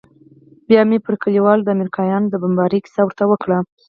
بيا مې پر کليوالو د امريکايانو د بمبارۍ کيسه ورته وکړه.